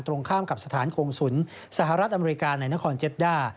ตรงข้ามกับสถานโคงสุนสหรัฐอเมริกาในนครเจ็ดด้า